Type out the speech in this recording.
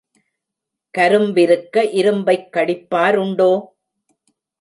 கரும்பிருக்க இரும்பைக் கடிப்பாருண்டோ?